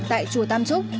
tại chùa tam trúc